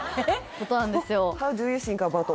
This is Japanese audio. ことなんですよ